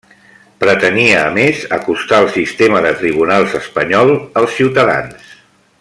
Pretenia, a més, acostar el sistema de tribunals espanyol als ciutadans.